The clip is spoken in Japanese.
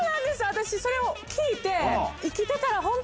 私それを聞いて。